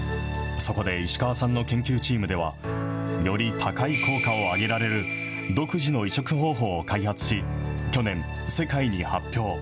そこで、石川さんの研究チームでは、より高い効果を上げられる、独自の移植方法を開発し、去年、世界に発表。